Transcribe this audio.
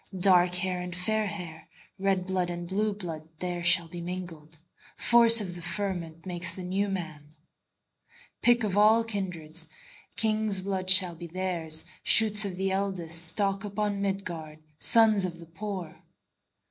Dark hair and fair hair, Red blood and blue blood, There shall be mingled; Force of the fermentMakes the New Man.Pick of all kindreds, King's blood shall theirs be, Shoots of the eldestStock upon Midgard, Sons of the poor.